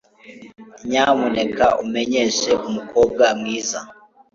Nyamuneka umenyeshe umukobwa mwiza.